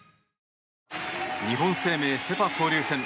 日本生命セ・パ交流戦。